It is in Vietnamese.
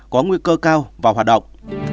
có nguy cơ cao và hoạt động